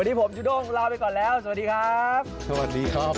วันนี้ผมจุด้งลาไปก่อนแล้วสวัสดีครับ